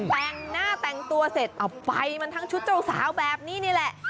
แต่งหน้าแต่งตัวเสร็จเอาไปมันทั้งชุดเจ้าสาวแบบนี้นี่แหละ